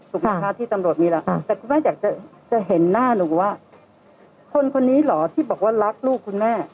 สุขภาพที่ตำรวจมีแล้วแต่คุณแม่อยากจะจะเห็นหน้าหนูว่าคนคนนี้หรอที่บอกว่ารักลูกคุณแม่